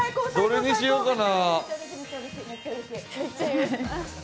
どれにしようかな。